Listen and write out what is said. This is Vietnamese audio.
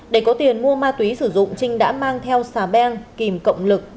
để có tiền mua ma túy sử dụng trinh đã mang theo xà beng kìm cộng lực